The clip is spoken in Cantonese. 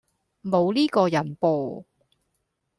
無呢個人噃